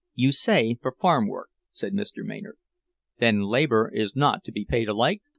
"You say 'for farm work,'" said Mr. Maynard. "Then labor is not to be paid alike?"